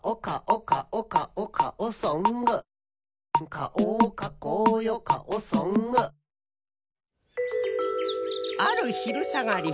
「かおをかこうよかおソング」あるひるさがり